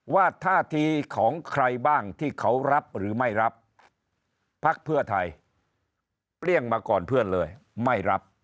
ท่าทีของใครบ้างที่เขารับหรือไม่รับพักเพื่อไทยเปรี้ยงมาก่อนเพื่อนเลยไม่รับ